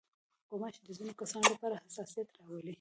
غوماشې د ځينو کسانو لپاره حساسیت راولي.